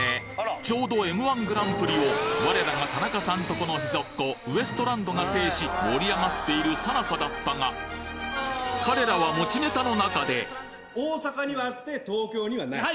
ちょうど『Ｍ−１グランプリ』を我らが田中さんとこの秘蔵っ子ウエストランドが制し盛り上がっているさなかだったが彼らは持ちネタの中で大阪にはあって東京にはない。